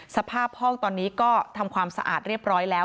สภาพห้องตอนนี้ก็ทำความสะอาดเรียบร้อยแล้ว